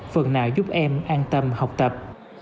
phần nào giúp em an tâm học tập